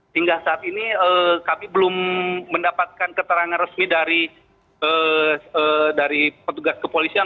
hingga saat ini kami belum mendapatkan keterangan resmi dari petugas kepolisian